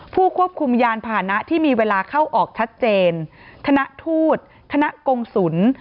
ผู้ควบคุมยานผ่านะที่มีเวลาเข้าออกชัดเจนคณะทูตคณะกงศุล